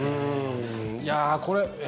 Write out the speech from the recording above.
いやこれえ